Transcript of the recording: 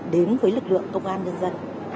đến với lực lượng công an nhân dân